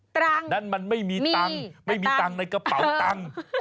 ตรังมันไม่มีตังไม่มีตังในกระเป๋าตัง